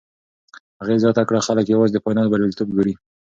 هغې زیاته کړه، خلک یوازې د فاینل بریالیتوب ګوري.